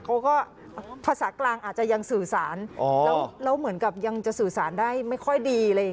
เขาก็ภาษากลางอาจจะยังสื่อสารแล้วเหมือนกับยังจะสื่อสารได้ไม่ค่อยดีอะไรอย่างนี้